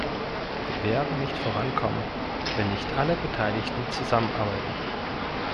Wir werden nicht vorankommen, wenn nicht alle Beteiligten zusammenarbeiten.